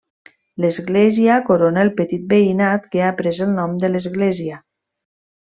L'església corona el petit veïnat que ha pres el nom de l'església.